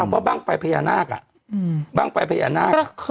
เป็นคำว่าบ้างไฟประหยานาค